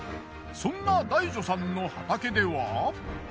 そんなダイ女さんの畑では。